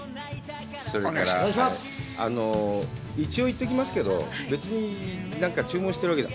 それから、一応、言っておきますけど、別になんか注文してるわけじゃ。